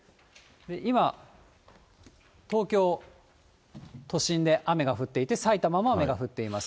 今、東京都心で雨が降っていて、埼玉も雨が降っています。